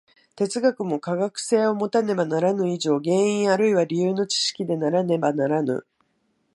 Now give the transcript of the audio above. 哲学も科学性をもたねばならぬ以上、原因あるいは理由の知識でなければならぬ。